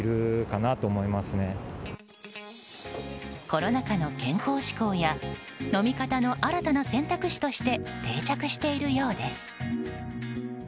コロナ禍の健康志向や飲み方の新たな選択肢として定着しているようです。